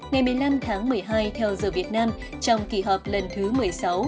ngày một mươi năm tháng một mươi hai theo giờ việt nam trong kỳ họp lần thứ một mươi sáu